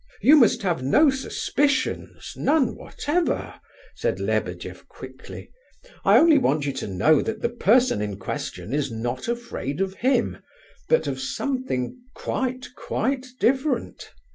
"You must have no suspicions, none whatever," said Lebedeff quickly. "I only want you to know that the person in question is not afraid of him, but of something quite, quite different."